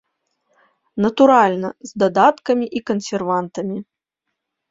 Натуральна, з дадаткамі і кансервантамі.